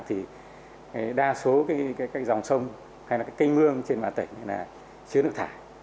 thì đa số dòng sông hay cây mương trên mạng tỉnh chứa nước thải